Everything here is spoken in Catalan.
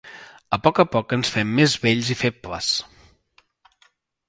A poc a poc ens fem més vells i febles.